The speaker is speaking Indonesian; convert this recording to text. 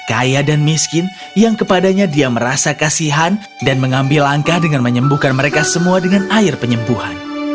kaya dan miskin yang kepadanya dia merasa kasihan dan mengambil langkah dengan menyembuhkan mereka semua dengan air penyembuhan